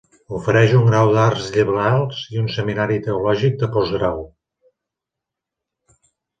Ofereix un grau d'arts liberals i un seminari teològic de postgrau.